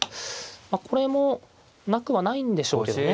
これもなくはないんでしょうけどね。